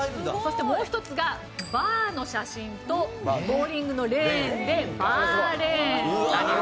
そしてもう一つが「バー」の写真とボウリングの「レーン」で「バーレーン」。